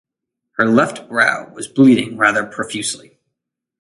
Her left brow was bleeding rather profusely.